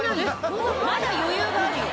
まだ余裕があるよ。